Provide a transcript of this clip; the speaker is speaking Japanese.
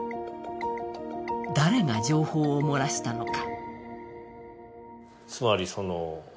誰が情報を漏らしたのか。